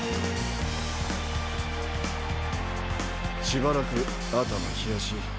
しばらく頭冷やし。